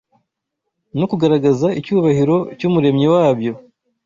no kugaragaza icyubahiro cy’Umuremyi wabyo